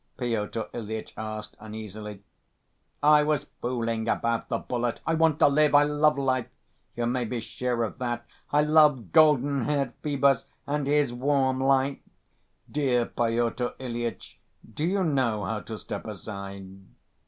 Pyotr Ilyitch asked uneasily. "I was fooling about the bullet! I want to live. I love life! You may be sure of that. I love golden‐haired Phœbus and his warm light.... Dear Pyotr Ilyitch, do you know how to step aside?"